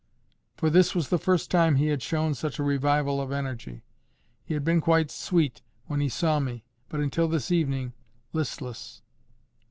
For this was the first time he had shown such a revival of energy. He had been quite sweet when he saw me, but, until this evening, listless.